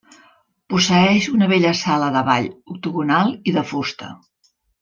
Posseeix una bella sala de ball octogonal i de fusta.